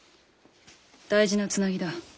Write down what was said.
大事なつなぎだ。